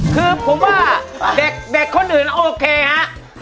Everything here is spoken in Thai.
คือผมว่าเด็กคนอื่นโอเคฮะ